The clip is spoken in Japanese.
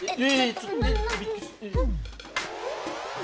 えっ？